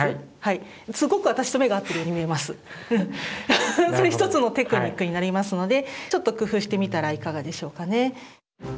フフッそれ一つのテクニックになりますのでちょっと工夫してみたらいかがでしょうかね。